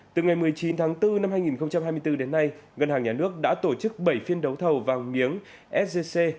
từ ngày một mươi chín tháng bốn năm hai nghìn hai mươi bốn đến nay ngân hàng nhà nước đã tổ chức bảy phiên đấu thầu vàng miếng sgc